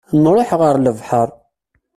Nruḥ ɣer lebḥer.